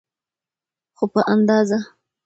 خو په اندازه.